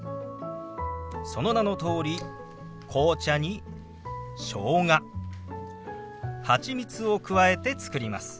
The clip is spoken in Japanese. その名のとおり紅茶にしょうがハチミツを加えて作ります。